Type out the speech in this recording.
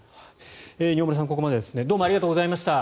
饒村さん、ここまでですねどうもありがとうございました。